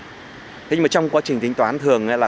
thế nhưng mà trong quá trình tính toán thường là